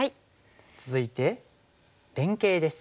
続いて連携です。